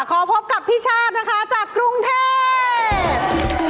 ขอพบกับพี่ชาตินะคะจากกรุงเทพ